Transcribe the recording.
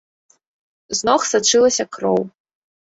З ног сачылася кроў.